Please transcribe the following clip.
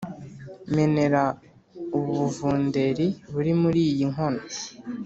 menera ubu buvunderi buri muriyi nkono